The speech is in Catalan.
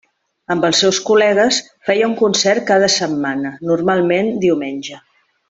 Amb els seus col·legues, feia un concert cada setmana, normalment diumenge.